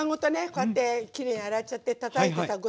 こうやってきれいに洗っちゃってたたいてさ５ｃｍ。